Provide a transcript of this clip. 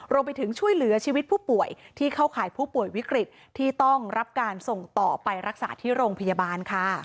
รวมไปถึงช่วยเหลือชีวิตผู้ป่วยที่เข้าข่ายผู้ป่วยวิกฤตที่ต้องรับการส่งต่อไปรักษาที่โรงพยาบาลค่ะ